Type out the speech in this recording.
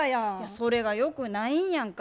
それがよくないんやんか。